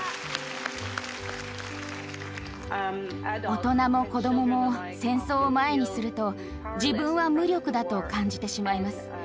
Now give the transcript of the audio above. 大人も子どもも戦争を前にすると自分は無力だと感じてしまいます。